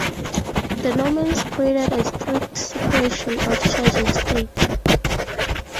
The Normans created a strict separation of Church and State.